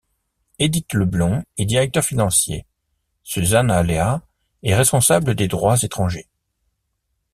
Edith Leblond est Directeur Financier, Susanna Lea est responsable des Droits étrangers.